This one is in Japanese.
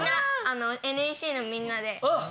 ＮＥＣのみんなで作って。